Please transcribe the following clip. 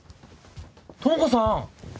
知子さん！